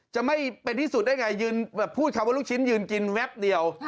จะไม่เป็นที่สุดได้ไงยืนแบบพูดคำว่าลูกชิ้นยืนกินแวบเดียว